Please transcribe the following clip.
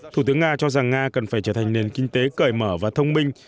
thủ tướng nga cho rằng nga cần phải trở thành nền kinh tế cởi mở và thông minh